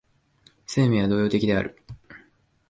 生命は動揺的である。